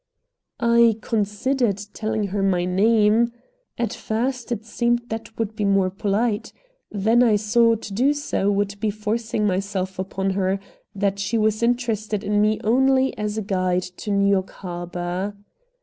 I considered telling her my name. At first it seemed that that would be more polite. Then I saw to do so would be forcing myself upon her, that she was interested in me only as a guide to New York Harbor.